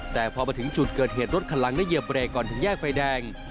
แต่พอมาถึงจุดเกิดเหตุรถคันหลังได้เหยียบเบรกก่อนถึงแยกไฟแดง